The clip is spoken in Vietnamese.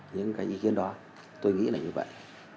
những cái ý kiến đó tôi nghĩ là như vậy